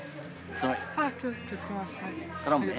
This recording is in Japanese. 頼むね。